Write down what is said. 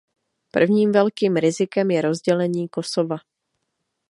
Prvním velkým rizikem je rozdělení Kosova.